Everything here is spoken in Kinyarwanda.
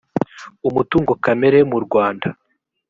umutungo kamere mu rwanda